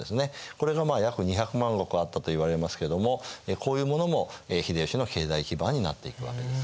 これがまあ約２００万石あったといわれますけどもこういうものも秀吉の経済基盤になっていくわけです。